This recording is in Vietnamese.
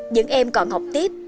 những em còn học tiếp